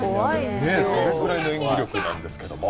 それぐらいの演技力なんですけれども。